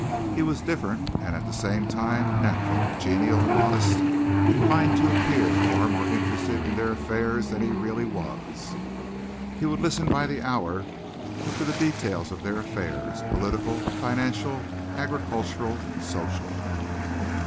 He was different, and at the same time natural, genial, modest, inclined to appear far more interested in their affairs than he really was. He would listen by the hour to the details of their affairs, political, financial, agricultural, social.